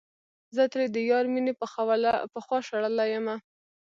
زه ترې د يار مينې پخوا شړلے يمه